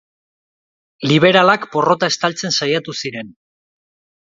Liberalak porrota estaltzen saiatu ziren.